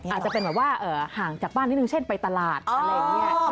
อาจจะเป็นแบบว่าห่างจากบ้านนิดนึงเช่นไปตลาดอะไรอย่างนี้